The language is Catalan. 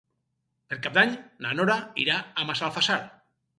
Per Cap d'Any na Nora irà a Massalfassar.